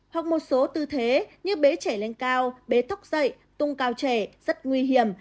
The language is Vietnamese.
hoặc một số tư thế như bé trẻ lên cao bé thóc dậy tung cao trẻ rất nguy hiểm